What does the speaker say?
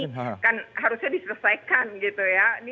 karena ini kan harusnya diselesaikan gitu ya